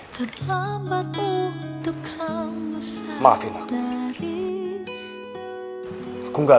aku akan datang ke kardashian buat merayu r rehearsal